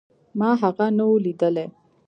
ما هغه نه و ليدلى.